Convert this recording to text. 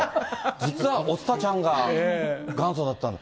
実はおスタちゃんが元祖だったんだ。